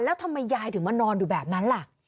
แล้วทำไมยายถึงมานอนอยู่แบบนั้นล่ะ